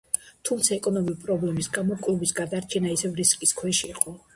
თუმცა, ეკონომიკური პრობლემების გამო კლუბის გადარჩენა ისევ რისკის ქვეშ იყო.